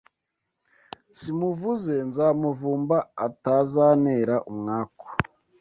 simuvuze nzamuvumba ataza ntera umwaku